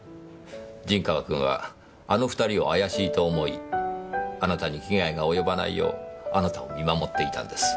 陣川君はあの２人を怪しいと思いあなたに危害が及ばないようあなたを見守っていたんです。